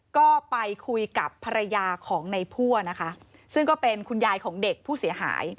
ก็ไปคุยกับภรรยาของในพั่วนะคะซึ่งก็เป็นคุณยายของเด็กผู้เสียหาย